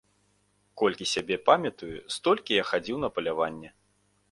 Колькі сябе памятаю, столькі я хадзіў на паляванне.